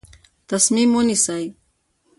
تصمیم ونیسئ.